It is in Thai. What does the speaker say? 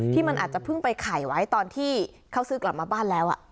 ที่มันอาจจะเพิ่งไปไข่ไว้ตอนที่เขาซื้อกลับมาบ้านแล้ว